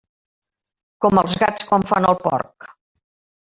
Com als gats quan fan el porc.